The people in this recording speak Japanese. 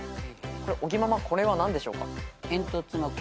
これ尾木ママこれは何でしょうか？